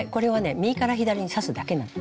右から左に刺すだけなんです。